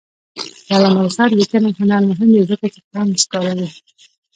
د علامه رشاد لیکنی هنر مهم دی ځکه چې طنز کاروي.